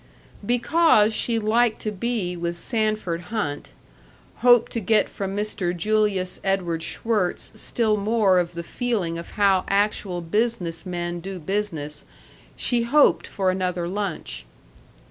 Because she liked to be with Sanford Hunt, hoped to get from Mr. Julius Edward Schwirtz still more of the feeling of how actual business men do business, she hoped for another lunch.